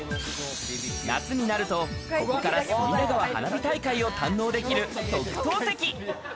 夏になると、ここから隅田川花火大会を堪能できる特等席。